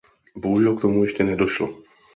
Bohužel k tomu ještě nedošlo.